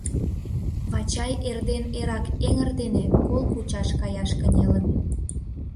Вачай эрден эрак эҥыр дене кол кучаш каяш кынелын.